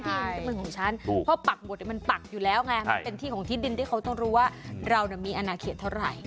มันก็เป็นของฉันเพราะปักหมดมันปักอยู่แล้วไงมันเป็นที่ของที่ดินที่เขาต้องรู้ว่าเรามีอนาเขตเท่าไหร่